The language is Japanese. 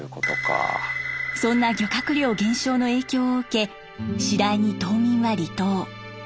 そんな漁獲量減少の影響を受け次第に島民は離島。